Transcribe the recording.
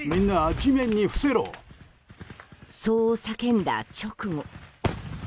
そう叫んだ直後。